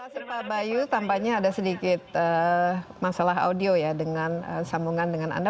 terima kasih pak bayu tambahnya ada sedikit masalah audio ya dengan sambungan dengan anda